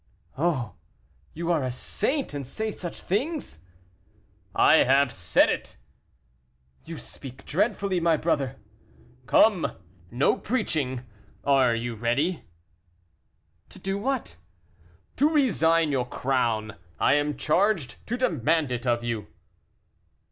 "Oh, you are a saint, and say such things!" "I have said it." "You speak dreadfully, my brother." "Come, no preaching; are you ready?" "To do what?" "To resign your crown; I am charged to demand it of you."